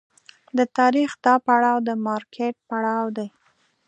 د تاریخ دا پړاو د مارکېټ پړاو دی.